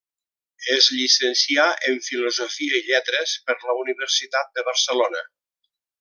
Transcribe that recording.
Es llicencià en filosofia i lletres per la Universitat de Barcelona.